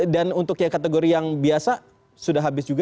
dan untuk yang kategori yang biasa sudah habis juga